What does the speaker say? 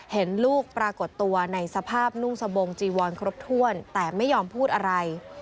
เห็นลูกปรากฏตัวในสภาพนุ่งสบงจีวอนครบถ้วนแต่ไม่ยอมพูดอะไร